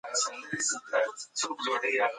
هغه خاموشه پاتې کېدل خپله دنده بولي.